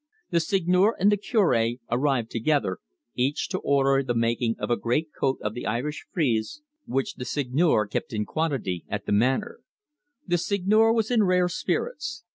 The Seigneur and the Cure arrived together, each to order the making of a greatcoat of the Irish frieze which the Seigneur kept in quantity at the Manor. The Seigneur was in rare spirits.